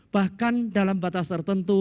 bahkan dalam batas tertentu